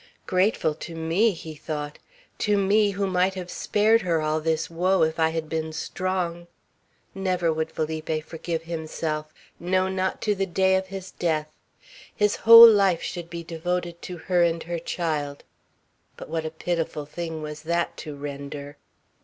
"Grateful to me!" he thought. "To me, who might have spared her all this woe if I had been strong!" Never would Felipe forgive himself, no, not to the day of his death. His whole life should be devoted to her and her child; but what a pitiful thing was that to render!